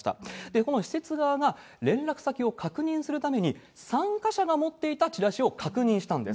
この施設側が、連絡先を確認するために、参加者が持っていたチラシを確認したんです。